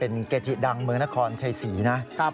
เป็นเกจิดังเมืองนครชัยศรีนะ